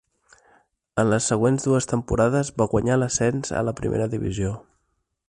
En les següents dues temporades, va guanyar l'ascens a la primera divisió.